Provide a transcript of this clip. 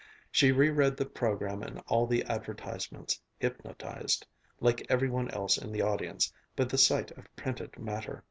She re read the program and all the advertisements, hypnotized, like every one else in the audience, by the sight of printed matter.